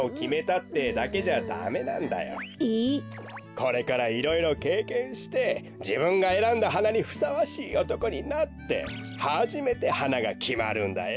これからいろいろけいけんしてじぶんがえらんだはなにふさわしいおとこになってはじめてはながきまるんだよ。